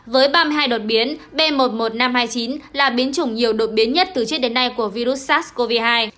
với ba mươi hai đột biến b một mươi một nghìn năm trăm hai mươi chín là biến chủng nhiều đột biến nhất từ trước đến nay của virus sars cov hai